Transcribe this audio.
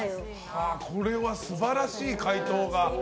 これは素晴らしい回答が。